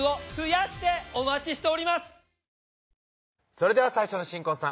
それでは最初の新婚さん